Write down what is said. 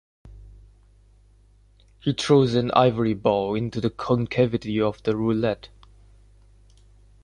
He throws an ivory ball into the concavity of the roulette.